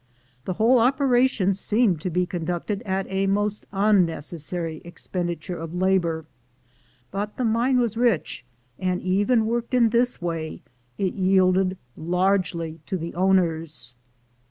The whole opera tion seemed to be conducted at a most unnecessary expenditure of labor; but the mine was rich, and, even worked in this way, it yielded largely to the owners.